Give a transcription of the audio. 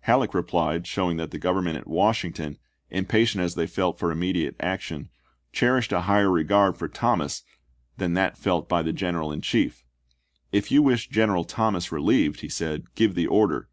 Halleck replied, showing that the Gov ernment at Washington, impatient as they felt for immediate action, cherished a higher regard for Thomas than that felt by the General in Chief. " If you wish General Thomas relieved," he said, " give the order.